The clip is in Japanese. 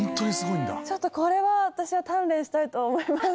ちょっとこれは私は鍛錬したいと思います。